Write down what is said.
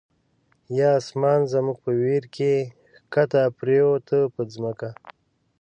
یا آسمان زموږ په ویر کی، ښکته پر یووته په ځمکه